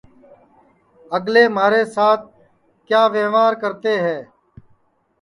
اگلے مہارے سات کیا وئوار کرتے ہے